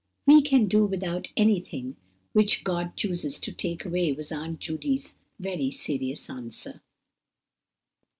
"We can do without anything which God chooses to take away," was Aunt Judy's very serious answer.